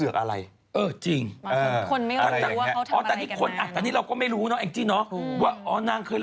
งานศพคุณบินก็เป็นคน